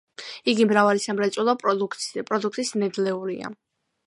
იგი მრავალი სამრეწველო პროდუქტის ნედლეულია.